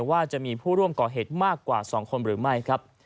ว่าจะมีผู้ร่วมก่อเหตุมากกว่า๒คนหรือไม่ครับ